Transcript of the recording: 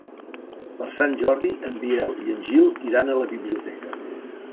Per Sant Jordi en Biel i en Gil iran a la biblioteca.